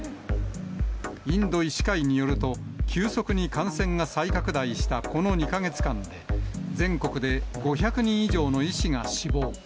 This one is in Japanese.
インド医師会によると、急速に感染が再拡大したこの２か月間で、全国で５００人以上の医師が死亡。